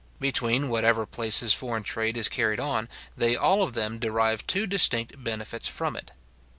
Between whatever places foreign trade is carried on, they all of them derive two distinct benefits from it.